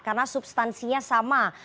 karena substansinya sama